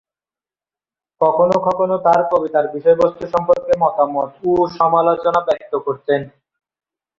কখনো কখনো তার কবিতার বিষয়বস্তু সম্পর্কে মতামত ও সমালোচনা ব্যক্ত করতেন।